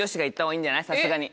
さすがに。